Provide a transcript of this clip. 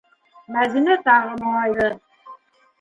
- Мәҙинә тағы моңайҙы.